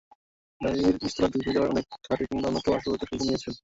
বাড়ির নিচতলা ডুবে যাওয়ায় অনেকে খাটে কিংবা অন্যত্র আসবাবপত্র সরিয়ে নিয়েছেন।